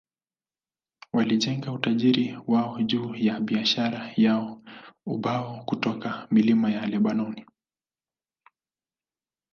Walijenga utajiri wao juu ya biashara ya ubao kutoka milima ya Lebanoni.